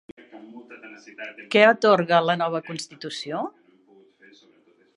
Què atorga la nova constitució?